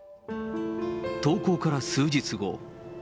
投稿から数日後。